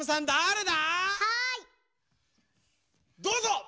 どうぞ！